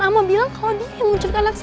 ampun bilang kalau dia yang menculik anak saya